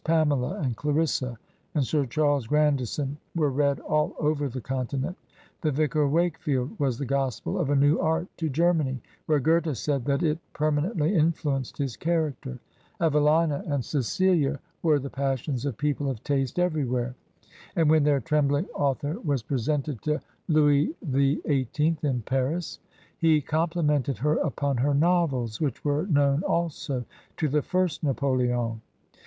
"Pamela," and "Clarissa," and "Sir Charles Grandison" were read all over the Continent. The "Vicar of Wakefield" was the gospel of a new art to Germany, where Goethe said that it per manently influenced his character. "Evelina" and "Cecilia" were the passions of people of taste every where, and when their trembling author was presented 77 Digitized by VjOOQIC HEROINES OF FICTION to Louis XVIII. in Paris, he complimented her up«si her novels, which were known also to the first Napoleon.